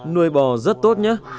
nuôi bò rất tốt nhé